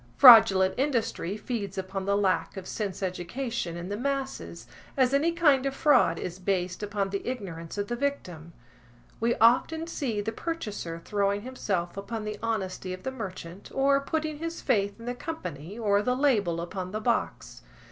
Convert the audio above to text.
Fraudulent industry feeds upon the lack of sense education in the masses, as any kind of fraud is based upon the ignorance of the victim. We often see the purchaser throwing himself upon the honesty of the merchant, or putting his faith in the company, or the label upon the box.